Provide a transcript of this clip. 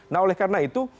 nah oleh karena itu